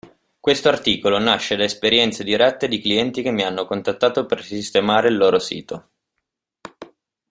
Questo articolo nasce da esperienze dirette di clienti che mi hanno contattato per sistemare il loro sito.